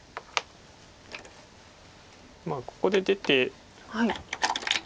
まあここで出て。